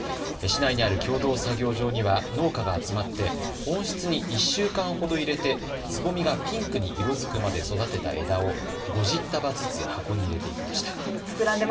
市内にある共同作業場には農家が集まって温室に１週間ほど入れて、つぼみがピンクに色づくまで育てた枝を５０束ずつ箱に入れていきました。